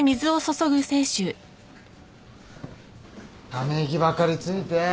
ため息ばっかりついて。